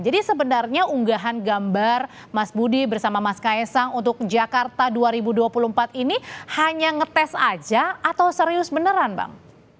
jadi sebenarnya unggahan gambar mas budi bersama mas kaesang untuk jakarta dua ribu dua puluh empat ini hanya ngetes aja atau serius beneran bang